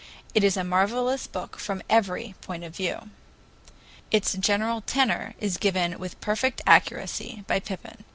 It is a marvelous book from every point of view. Its general tenor is given with perfect accuracy by Pypin.